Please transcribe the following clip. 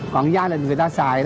còn gia đình người ta xài